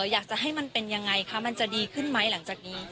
อยากจะให้มันเป็นยังไงคะมันจะดีขึ้นไหมหลังจากนี้